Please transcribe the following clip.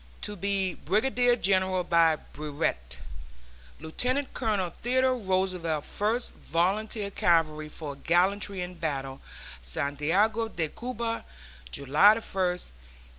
To be Brigadier General by Brevet Lieutenant Colonel Theodore Roosevelt, First Volunteer Cavalry, for gallantry in battle, Santiago de Cuba, July 1, 1898.